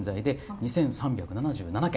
２，３７７軒。